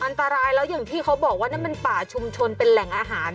อันตรายแล้วอย่างที่เขาบอกว่านั่นมันป่าชุมชนเป็นแหล่งอาหาร